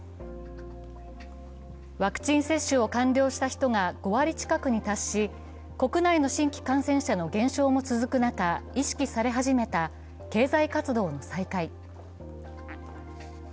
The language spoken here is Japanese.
ワクチン接種を完了した人が５割近くに達し、国内の新規感染者の減少も続く中、意識され始めた経済活動の再開。